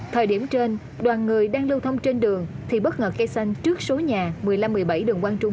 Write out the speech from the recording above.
thời điểm trên đoàn người đang lưu thông trên đường thì bất ngờ cây xanh trước số nhà một mươi năm một mươi bảy đường quang trung